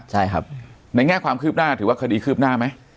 ใช่ครับในแง่ความคืบหน้าถือว่าคดีคืบหน้าไหม